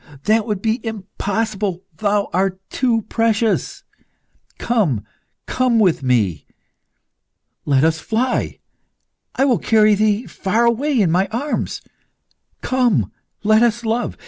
That would be impossible thou art too precious! Come, come with me! Let us fly? I will carry thee far away in my arms. Come, let us love!